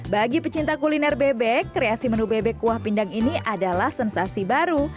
bagi pecinta kuliner bebek kreasi menu bebek kuah pindang ini adalah sensasi baru